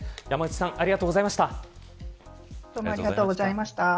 山内さんありがとうございました。